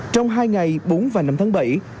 trong hai ngày bốn và năm tháng bảy